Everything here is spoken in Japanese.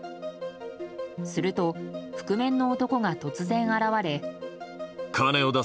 すると、覆面の男が突然現れ。